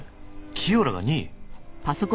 清良が２位！？